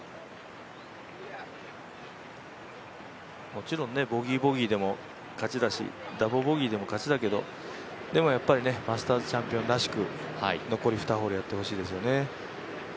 もちろんボギー、ボギーでも勝ちだしダボ、ボギーでも勝ちだけどマスターズチャンピオンらしく、残り２ホールやってほしいですよね